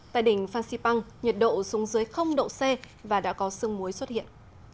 tại đỉnh phan xipang nhiệt độ xuống dưới độ c và đã có sương muối xuất hiện